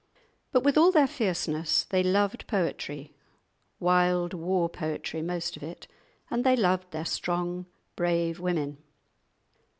But with all their fierceness they loved poetry (wild war poetry, most of it) and they loved their strong, brave women.